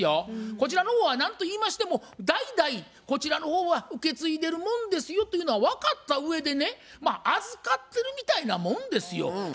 こちらの方は何と言いましても代々こちらの方は受け継いでるもんですよというのは分かったうえでね預かってるみたいなもんですよ。